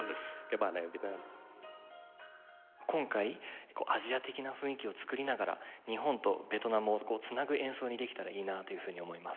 今回アジア的な雰囲気を作りながら日本とベトナムを繋ぐ演奏にできたらいいなというふうに思います。